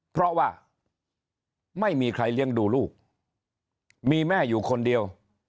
เพราะว่าไม่มีใครเลี้ยงดูลูกมีแม่อยู่คนเดียว